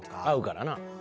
会うからな。